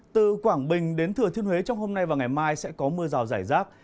từ quảng bình đến thừa thiên huế trong hôm nay và ngày mai sẽ có mưa rào rải rác